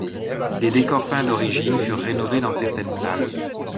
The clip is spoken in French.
Des décors peints d'origine furent rénovés dans certaines salles.